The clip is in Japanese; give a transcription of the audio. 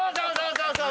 そうそう！